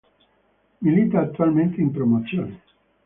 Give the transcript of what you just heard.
Milita attualmente in Promozione.